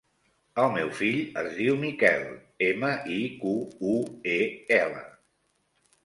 El meu fill es diu Miquel: ema, i, cu, u, e, ela.